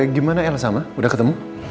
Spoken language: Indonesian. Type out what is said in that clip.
gimana elsa ma udah ketemu